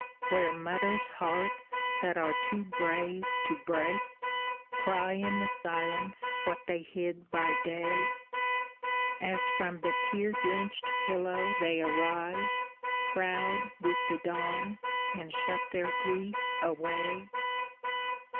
Where mothers' hearts, that are too brave to break, Cry in the silence what they hid by day ; As from the tear^drenched piUow they arise, Proud with the dawn, and shut their grief away?